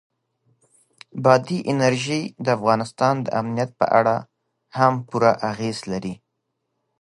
بادي انرژي د افغانستان د امنیت په اړه هم پوره اغېز لري.